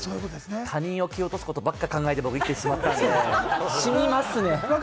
他人を蹴落とすことばかり考えて僕は生きてきてしまったんで、しみますね。